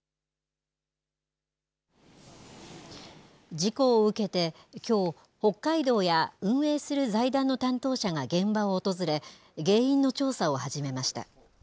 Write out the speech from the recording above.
事故を受けて、きょう、北海道や運営する財団の担当者が現場を訪れ、原因の調査を始めました。